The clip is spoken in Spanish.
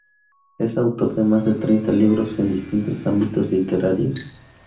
Es autor de más de treinta libros en distintos ámbitos literarios.